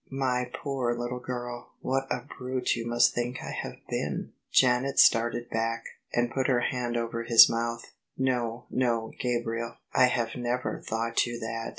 " My poor little girl, what a brute you must think I have been !" Janet started back, and put her hand over his mouth. " No, no, Gabriel : I have never thought you that.